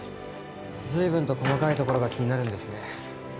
随分と細かいところが気になるんですね。